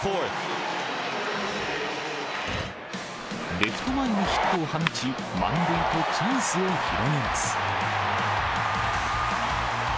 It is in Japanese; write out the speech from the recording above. レフト前にヒットを放ち、満塁とチャンスを広げます。